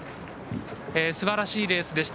すばらしいレースでした。